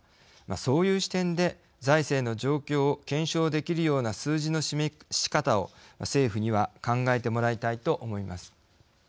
そういう視点で財政の状況を検証できるような数字の示し方を政府には考えてもらいたいと思います。